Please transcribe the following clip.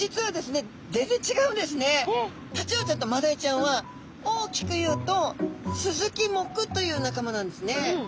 ところがタチウオちゃんとマダイちゃんは大きく言うとスズキ目という仲間なんですね。